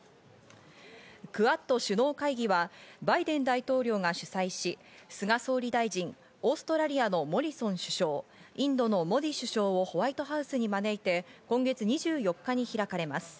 クアッド首脳会議はバイデン大統領が主催し、菅総理大臣、オーストラリアのモリソン首相、インドのモディ首相をホワイトハウスに招いて今月２４日に開かれます。